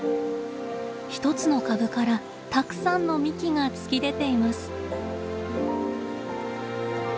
１つの株からたくさんの幹が突き出ています。